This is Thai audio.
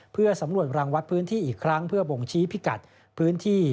เพื่อสำรวจรังวัดพื้นที่อีกครั้งเพื่อบ่งชี้พิกัดพื้นที่